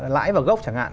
lãi vào gốc chẳng hạn